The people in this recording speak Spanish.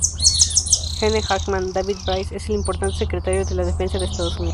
Gene Hackman, David Brice, es el importante Secretario de la Defensa de Estados Unidos.